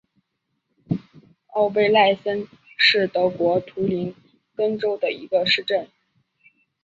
奥贝赖森是德国图林根州的一个市镇。